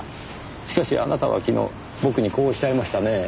しかしあなたは昨日僕にこうおっしゃいましたね。